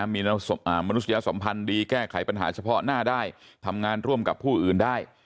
มีมนุษยสัมพันธ์ดีแก้ไขปัญหาเฉพาะหน้าได้ทำงานร่วมกับผู้อื่นได้